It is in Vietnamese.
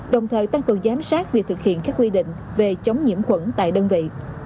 đồng thời tăng cường giám sát việc thực hiện các quy định về chống nhiễm khuẩn tại đơn vị